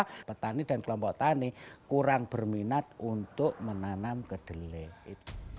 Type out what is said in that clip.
karena petani dan kelompok tani kurang berminat untuk menanam kedelai